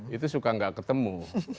itu suka nggak ketemu